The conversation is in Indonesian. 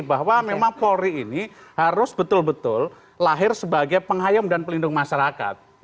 bahwa memang polri ini harus betul betul lahir sebagai penghayam dan pelindung masyarakat